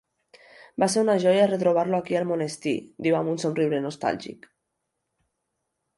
Va ser una joia retrobar-lo aquí al monestir —diu amb un somriure nostàlgic—.